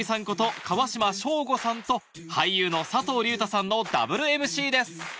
こと川島省吾さんと俳優の佐藤隆太さんのダブルＭＣです